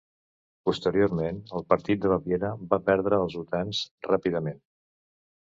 Posteriorment, el Partit de Baviera va perdre els votants ràpidament.